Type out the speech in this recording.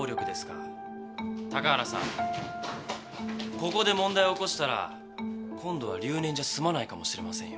ここで問題起こしたら今度は留年じゃ済まないかもしれませんよ。